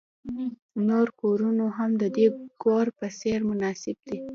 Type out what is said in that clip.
نور کورونه هم د دې کور په څیر مناسب دي